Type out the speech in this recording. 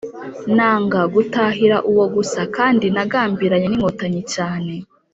nanga gutahira uwo gusa kandi nagambiranye n'inkotanyi cyane.